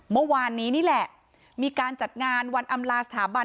เมื่อวานนี้นี่แหละมีการจัดงานวันอำลาสถาบัน